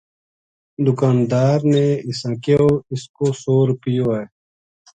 دُکاندار نے اِساں کہیو اِس کو سو رُپیو ہے